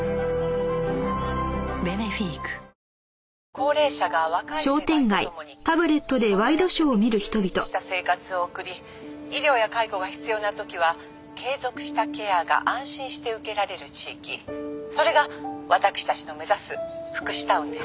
「高齢者が若い世代と共に仕事や趣味に充実した生活を送り医療や介護が必要な時は継続したケアが安心して受けられる地域」「それが私たちの目指す福祉タウンです」